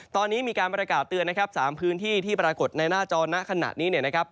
ตอนนี้มีการประกาศเตือนนะครับ๓พื้นที่ที่ปรากฏในหน้าจอนะขณะนี้เนี่ยนะครับ